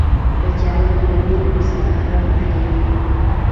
کچالو له تېلو سره ښه پخېږي